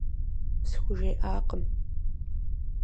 СхужеӀакъым.